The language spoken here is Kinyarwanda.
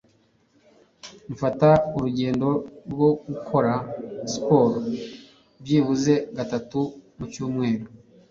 Mfata urugendo rwo gukora siporo byibuze gatatu mu cyumweru.